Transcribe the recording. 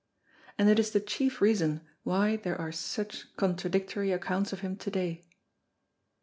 and it is the chief reason why there are such contradictory accounts of him to day.